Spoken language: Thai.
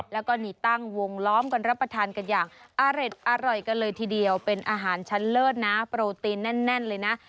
แล้วก็นี่ตั้งวงล้อมกันรับประทานกันอย่างอร่อยกันเลยทีเดียวเป็นอาหารชั้นเลิศนะโปรตีนแน่นเลยนะ